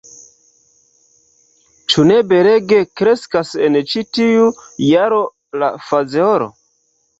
Ĉu ne belege kreskas en ĉi tiu jaro la fazeolo?